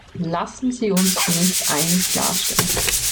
Lassen Sie uns zunächst eines klarstellen.